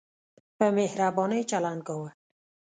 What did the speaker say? په مهربانۍ چلند کاوه.